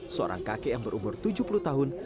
seorang kakek yang berumur tujuh puluh tahun